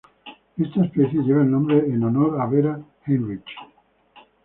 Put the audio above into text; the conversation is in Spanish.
Esta especie lleva el nombre en honor a Vera Heinrich.